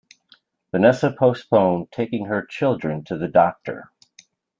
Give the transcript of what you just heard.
Vanessa postponed taking her children to the doctor.